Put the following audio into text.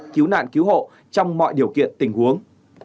cứu nạn cứu hộ trong mọi điều kiện tình huống